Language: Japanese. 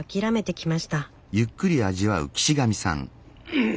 うん。